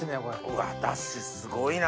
うわ出汁すごいな。